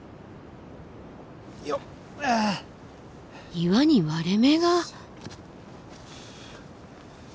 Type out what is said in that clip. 岩に割れ目が！